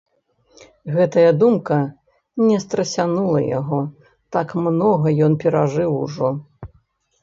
Гэтая думка не страсянула яго, так многа ён перажыў ужо.